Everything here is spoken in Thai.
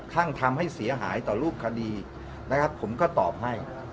่งทำให้เสียหายต่อรูปคดีนะครับผมก็ตอบให้